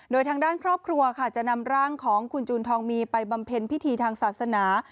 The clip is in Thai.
โดยทางด้านครอบครัวค่ะจะนำร่างของคุณจูนทองมีไปบำเพ็ญพิธีทางศาสนา